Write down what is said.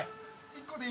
１個で。